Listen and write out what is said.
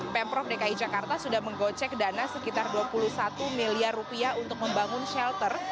pemprov dki jakarta sudah menggocek dana sekitar dua puluh satu miliar rupiah untuk membangun shelter